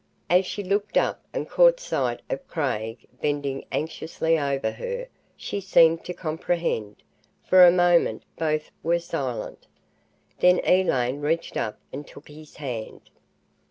As she looked up and caught sight of Craig bending anxiously over her, she seemed to comprehend. For a moment both were silent. Then Elaine reached up and took his hand.